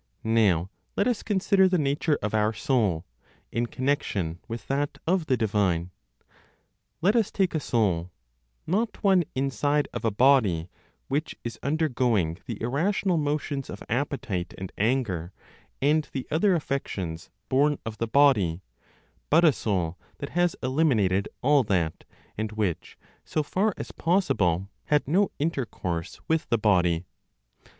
Now let us consider the nature of our soul, in connection with that of the divine. Let us take a soul, not one inside of a body, which is undergoing the irrational motions of appetite and anger, and the other affections born of the body, but a soul that has eliminated all that, and which, so far as possible, had no intercourse with the body.